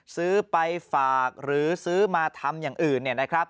ซื้อไปฝากหรือซื้อมาทำอย่างอื่น